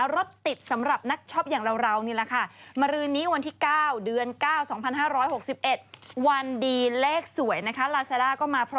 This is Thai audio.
รถติดสำหรับนักช็อปอย่างเรานี่แหละค่ะ